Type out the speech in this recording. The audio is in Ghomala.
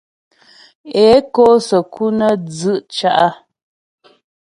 É kǒ səku nə́ dzʉ' ca'.